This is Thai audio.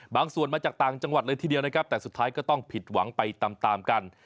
ส่วนมาจากต่างจังหวัดเลยทีเดียวนะครับแต่สุดท้ายก็ต้องผิดหวังไปตามตามกัน